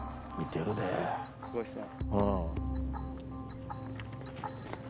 すごいっすね。